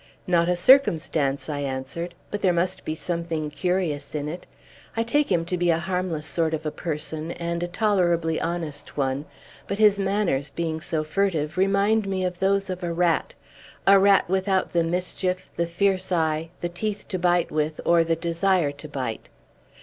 "Not a circumstance," I answered; "but there must be something curious in it. I take him to be a harmless sort of a person, and a tolerably honest one; but his manners, being so furtive, remind me of those of a rat, a rat without the mischief, the fierce eye, the teeth to bite with, or the desire to bite.